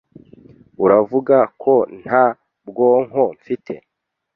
Uravuga ko nta bwonko mfite?